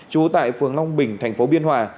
chú tại phường long bình thành phố biên hòa